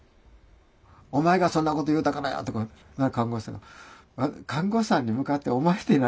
「お前がそんなこと言うたからや」とか看護師さんが「看護師さんに向かってお前って何？」